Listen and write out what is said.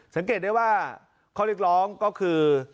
สังเกตได้ว่าข้อเรียกร้องก็คือ